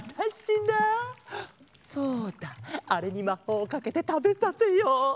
あれにまほうをかけてたべさせよう。